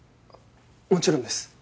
もちろんです。